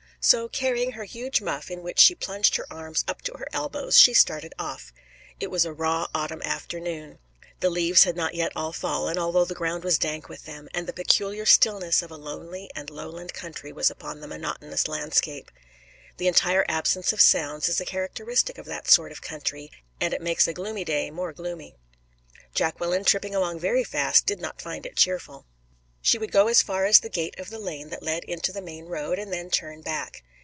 So, carrying her huge muff in which she plunged her arms up to her elbows, she started off. It was a raw autumn afternoon. The leaves had not yet all fallen, although the ground was dank with them, and the peculiar stillness of a lonely and lowland country was upon the monotonous landscape. The entire absence of sounds is a characteristic of that sort of country, and it makes a gloomy day more gloomy. Jacqueline, tripping along very fast, did not find it cheerful. She would go as far as the gate of the lane that led into the main road, and then turn back.